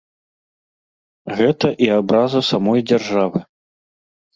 Гэта і абраза самой дзяржавы.